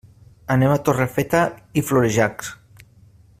Anem a Torrefeta i Florejacs.